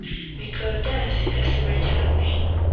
bikaba byarasigasiwe cyane